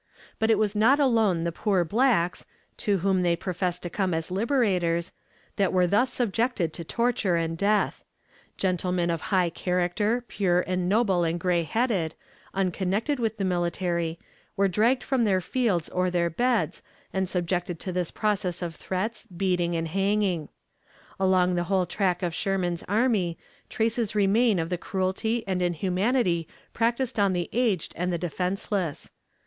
But it was not alone the poor blacks (to whom they professed to come as liberators) that were thus subjected to torture and death. Gentlemen of high character, pure and honorable and gray headed, unconnected with the military, were dragged from their fields or their beds, and subjected to this process of threats, beating, and hanging. Along the whole track of Sherman's army, traces remain of the cruelty and inhumanity practiced on the aged and the defenseless.